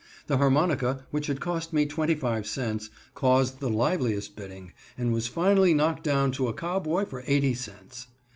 The harmonica, which had cost me twenty five cents, caused the liveliest bidding, and was finally knocked down to a cowboy for eighty cents.